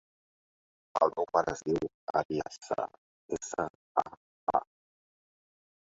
El meu pare es diu Aria Saa: essa, a, a.